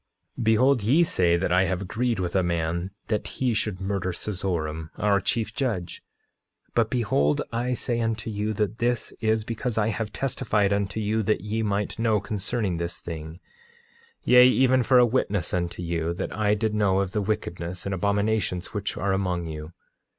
9:23 Behold ye say that I have agreed with a man that he should murder Seezoram, our chief judge. But behold, I say unto you, that this is because I have testified unto you that ye might know concerning this thing; yea, even for a witness unto you, that I did know of the wickedness and abominations which are among you.